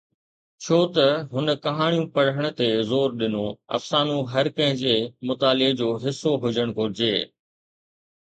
ڇو ته هن ڪهاڻيون پڙهڻ تي زور ڏنو، افسانو هر ڪنهن جي مطالعي جو حصو هجڻ گهرجي؟